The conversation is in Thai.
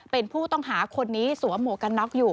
เป็นผู้ต้องหาคนนี้สวมหมวกกันน็อกอยู่